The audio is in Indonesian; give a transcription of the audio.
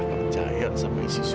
jangan peduli dengan mingsik